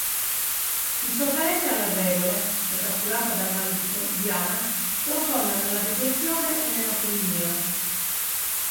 Insofferente alle regole, e trascurata dal marito, Diana sprofonda nella depressione e nella bulimia.